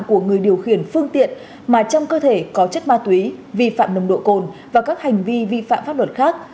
của người điều khiển phương tiện mà trong cơ thể có chất ma túy vi phạm nồng độ cồn và các hành vi vi phạm pháp luật khác